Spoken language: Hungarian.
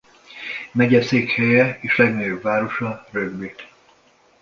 Megyeszékhelye és legnagyobb városa Rugby.